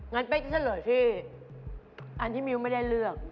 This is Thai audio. เป๊กจะเฉลยที่อันที่มิ้วไม่ได้เลือก